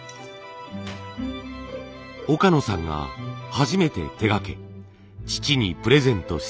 岡野さんが初めて手がけ父にプレゼントした敷物。